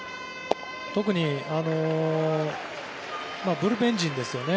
特に、ブルペン陣ですよね。